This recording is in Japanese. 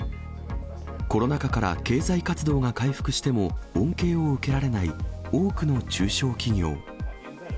コロナ禍から経済活動が回復しても、恩恵を受けられない多くの中小企業。